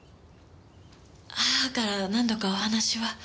母からは何度かお話は。